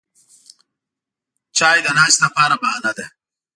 چای د ناستې لپاره بهانه ده